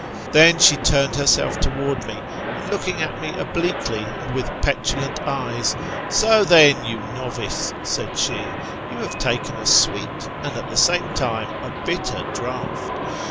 Thep she turned herself towards me, and looking at me obliquely, and with petulant eyes, So then, you novice^ said she, you have taken a sweet, and at the same time, a bitter draught.